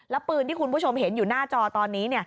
แล้วปืนที่คุณผู้ชมเห็นอยู่หน้าจอตอนนี้